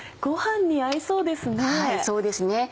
ごはんに合いそうですね。